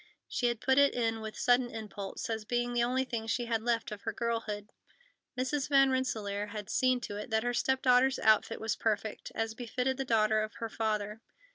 She had put it in with sudden impulse, as being the only thing she had left of her girlhood. Mrs. Van Rensselaer had seen to it that her step daughter's outfit was perfect, as befitted the daughter of her father.